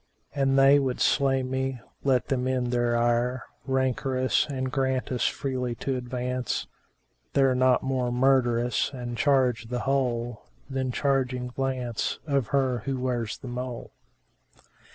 An they would slay me, let them end their ire * Rancorous, and grant us freely to advance: They're not more murderous, an charge the whole * Than charging glance of her who wears the mole."